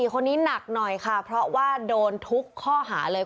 คนนี้หนักหน่อยค่ะเพราะว่าโดนทุกข้อหาเลย